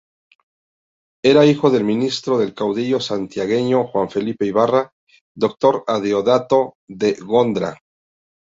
Era hijo del ministro del caudillo santiagueño Juan Felipe Ibarra, doctor Adeodato de Gondra.